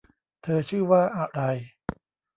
เธอชื่อว่าอะไร